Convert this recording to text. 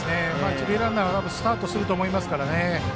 一塁ランナーはスタートすると思いますから。